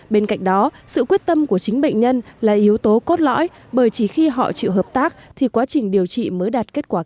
bên cạnh đó sự quyết tâm của chính bệnh nhân là yếu tố cốt lõi bởi chỉ khi họ chịu hợp tác thì quá trình điều trị mới đạt kết quả cao